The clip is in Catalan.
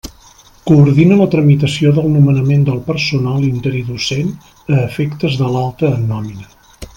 Coordina la tramitació del nomenament del personal interí docent, a efectes de l'alta en nòmina.